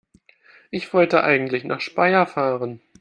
Ich wollte eigentlich nicht nach Speyer fahren